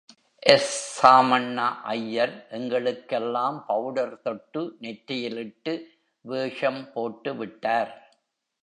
எஸ்.சாமண்ணா ஐயர் எங்களுக்கெல்லாம் பவுடர் தொட்டு நெற்றியிலிட்டு வேஷம் போட்டு விட்டார்.